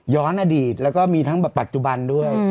อดีตแล้วก็มีทั้งแบบปัจจุบันด้วย